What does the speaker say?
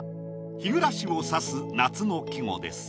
ヒグラシを指す夏の季語です。